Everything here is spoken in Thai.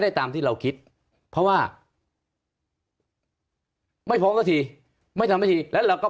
ตามที่เราคิดเพราะว่าไม่พร้อมสักทีไม่ทำสักทีแล้วเราก็